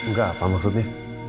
gak apa maksudnya